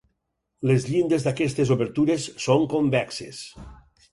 Les llindes d'aquestes obertures són convexes.